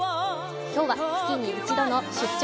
今日は月に１度の「出張！